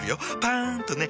パン！とね。